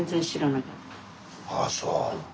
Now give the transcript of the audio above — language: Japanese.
ああそう。